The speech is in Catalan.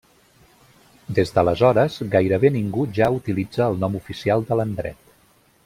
Des d'aleshores, gairebé ningú ja utilitza el nom oficial de l'endret.